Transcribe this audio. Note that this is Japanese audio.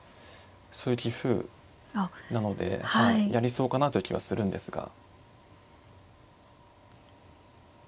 そういう棋風なのでやりそうかなという気はするんですが。